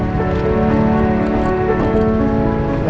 เช้าขึ้นมาประมาณตี๕๓๐ป้าจะไปจ่ายของที่ตลาดเสนา